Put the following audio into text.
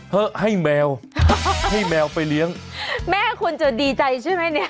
ให้แมวให้แมวไปเลี้ยงแม่คุณจะดีใจใช่ไหมเนี่ย